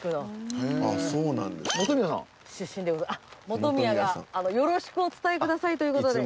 本宮がよろしくお伝えくださいという事で。